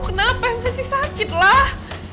kenapa masih sakit lah